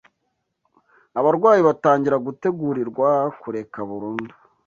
abarwayi batangira gutegurirwa kureka burundu